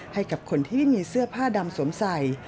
ให้กับคนที่ไม่มีเสื้อผ้าดำสวมใส่